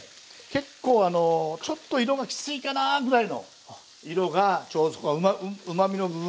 結構あのちょっと色がきついかなぐらいの色がちょうどそこうまみの部分なので。